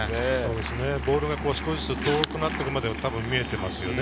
ボールが少しずつ遠くなっていくまでは見えていますよね。